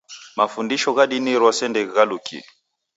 Mafundisho gha dini rose ndeghighalukie.